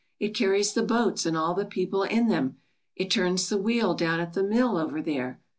It carries the boats and all the people in them. It turns the wheel down at the mill over there.